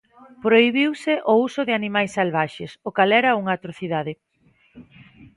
Prohibiuse o uso de animais salvaxes, o cal era unha atrocidade.